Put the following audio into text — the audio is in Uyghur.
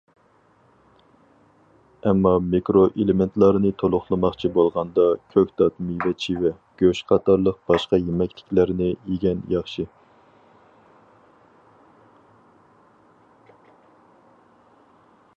ئەمما مىكرو ئېلېمېنتلارنى تولۇقلىماقچى بولغاندا، كۆكتات، مېۋە- چېۋە، گۆش قاتارلىق باشقا يېمەكلىكلەرنى يېگەن ياخشى.